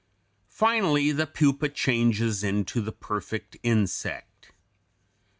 Finally the pupa changes into the perfect insect.